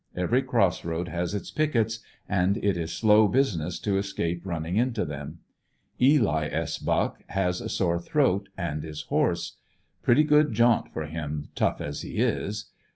Every cross road has its pickets, and it is slow business to escape running into them. Eli S. Buck has a sore throat and is hoarse. Pretty good jaunt for him, tough as he is.